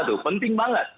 itu penting banget